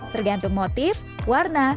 tergantung motif warna